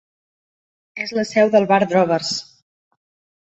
És la seu del bar Drovers.